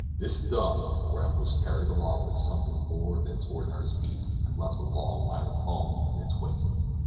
This done, the raft was carried along with something more than its ordinary speed, and left a long line of foam in its wake.